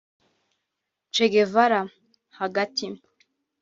Che Guevara (hagati)